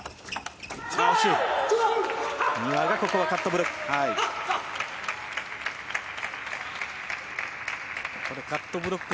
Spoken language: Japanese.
丹羽がカットブロック。